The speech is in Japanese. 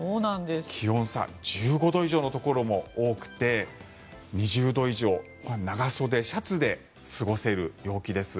気温差１５度以上のところも多くて２０度以上、長袖シャツで過ごせる陽気です。